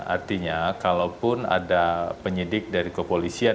artinya kalaupun ada penyidik dari kepolisian